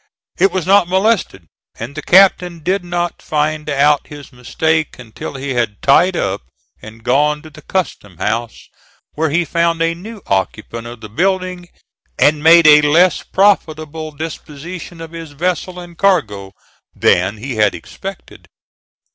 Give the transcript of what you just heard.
It was not molested, and the captain did not find out his mistake until he had tied up and gone to the Custom House, where he found a new occupant of the building, and made a less profitable disposition of his vessel and cargo than he had expected.